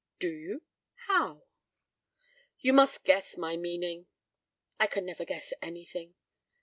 "Do you—how?" "You must guess my meaning." "I can never guess anything."